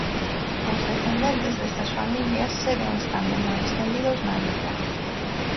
Os descendentes destas familias seguen estando moi estendidos na illa.